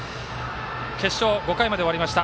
決勝５回まで終わりました。